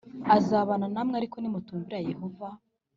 azabana namwe Ariko nimutumvira Yehova